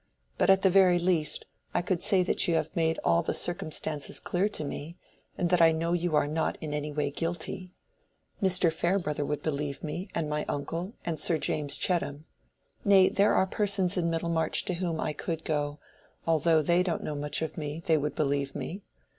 But at the very least, I could say that you have made all the circumstances clear to me, and that I know you are not in any way guilty. Mr. Farebrother would believe me, and my uncle, and Sir James Chettam. Nay, there are persons in Middlemarch to whom I could go; although they don't know much of me, they would believe me.